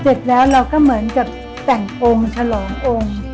เสร็จแล้วเราก็เหมือนกับแต่งองค์ฉลององค์